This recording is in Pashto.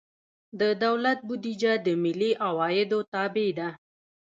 د دولت بودیجه د ملي عوایدو تابع ده.